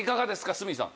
鷲見さん。